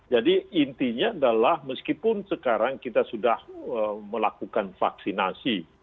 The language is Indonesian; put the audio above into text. jadi intinya adalah meskipun sekarang kita sudah melakukan vaksinasi